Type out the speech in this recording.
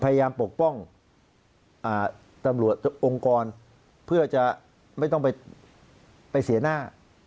ปกป้องตำรวจองค์กรเพื่อจะไม่ต้องไปเสียหน้า